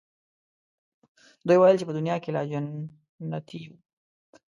دوی ویل چې په دنیا کې لا جنتیی وو.